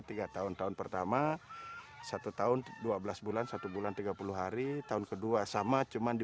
tiga tahun tahun pertama satu tahun dua belas bulan satu bulan tiga puluh hari tahun kedua sama cuman di